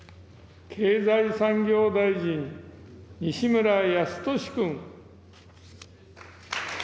経済産業大臣、西村康稔君。